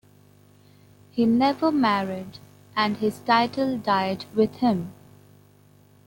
He never married, and his title died with him.